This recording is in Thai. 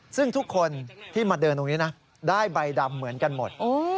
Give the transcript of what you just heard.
ซึ่งทุกคนที่มาเดินตรงนี้นะได้ใบดำเหมือนกันหมด